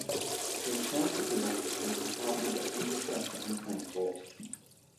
The authority belongs to the Department of Infrastructure and Transport.